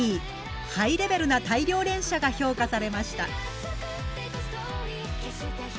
ハイレベルな大量連射が評価されました。